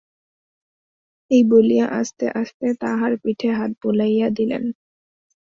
এই বলিয়া আস্তে আস্তে তাহার পিঠে হাত বুলাইয়া দিলেন।